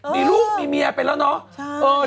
มีรูปมีเมียเป็นแล้วเนาะ